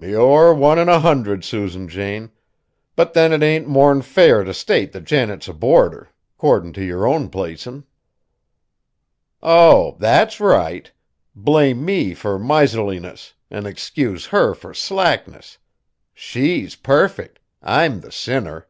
"You're one in a hundred, Susan Jane, but then it ain't more'n fair t' state that Janet's a boarder, 'cordin' t' yer own placin'." "Oh! that's right. Blame me fur miserliness, an' excuse her fur slackness! She's perfict: I'm the sinner!"